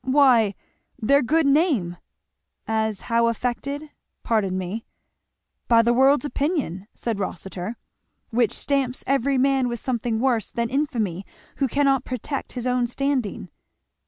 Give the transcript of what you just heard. "Why, their good name!" "As how affected? pardon me." "By the world's opinion," said Rossitur, "which stamps every man with something worse than infamy who cannot protect his own standing."